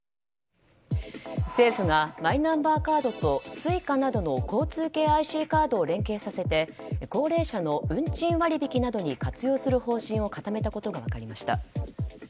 政府がマイナンバーカードとＳｕｉｃａなどの交通系ＩＣカードを連携させて高齢者の運賃割引などに活用する方針を固めたことが分かりました。